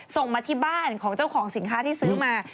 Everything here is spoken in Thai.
ส่งมาที่บ้านของเจ้าของสินค้าที่ซื้อมา